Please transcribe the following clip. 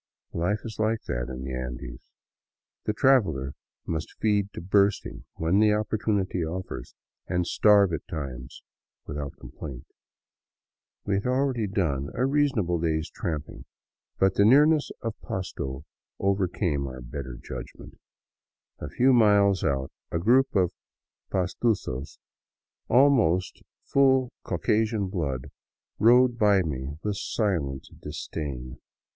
Life is like that in the Andes. The traveler must feed to bursting when the opportunity offers, and starve at times without complaint. We had already done a reasonable day's tramping, but the nearness of Pasto overcame our better judgment. A few miles out, a group of pastusos, of almost full Caucasian blood, rode by me with silent disdain.